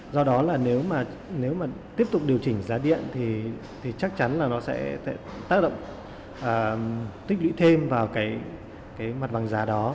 do đó là nếu mà nếu mà tiếp tục điều chỉnh giá điện thì chắc chắn là nó sẽ tác động tích lũy thêm vào cái mặt bằng giá đó